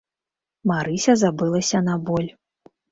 Марыся забылася на боль.